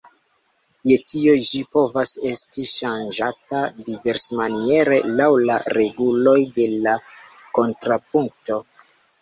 Je tio ĝi povas esti ŝanĝata diversmaniere laŭ la reguloj de la kontrapunkto.